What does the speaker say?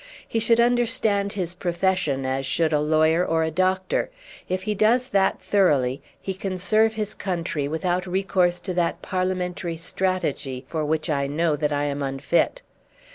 He should understand his profession, as should a lawyer or a doctor. If he does that thoroughly he can serve his country without recourse to that parliamentary strategy for which I know that I am unfit."